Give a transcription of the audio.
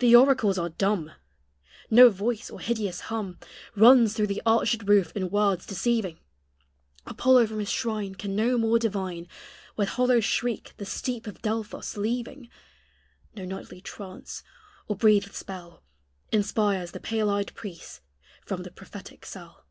The oracles are dumb: No voice or hideous hum Runs through the arched roof in words deceiving; Apollo from his shrine Can no more divine, With hollow shriek the steep of Delphos leaving; No nightly trance, or breathèd spell, Inspires the pale eyed priest from the prophetic cell.